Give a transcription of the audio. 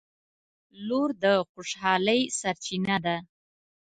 • لور د خوشحالۍ سرچینه ده.